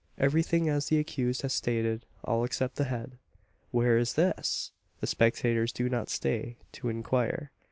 Everything as the accused has stated all except the head. Where is this? The spectators do not stay to inquire.